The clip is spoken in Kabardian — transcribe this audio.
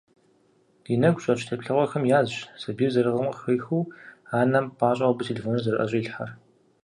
Ди нэгу щӀэкӀ теплъэгъуэхэм язщ сабийр зэрыгъым къыхихыу, анэм пӀащӀэу абы телефоныр зэрыӀэщӀилъхьэр.